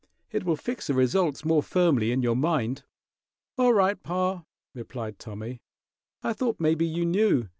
It will fix the results more firmly in your mind." "All right, pa," replied Tommy; "I thought maybe you knew.